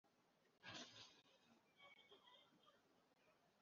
ntibazagira amahwemo batarumva imiborogo y'abishwe